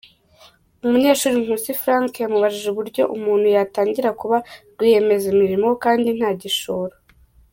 Umunyeshuri Nkusi Frank yamubajije uburyo umuntu yatangira kuba rwiyemezamirimo kandi nta gishoro.